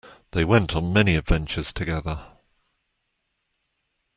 They went on many adventures together.